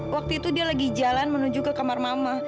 waktu itu dia lagi jalan menuju ke kamar mama